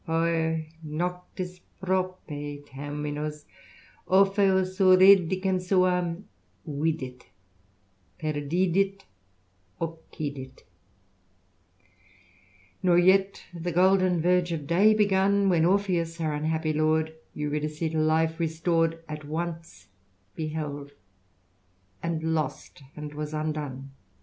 HeUf nocHs prope terminos Orpheus Eurydicen suam Vidtt, perdidit, occidit" " Nor yet the golden verge of day begun, When Orpheus, her unhappy lord, Eurydice to life restored, At once beheld, and lost, and was undone."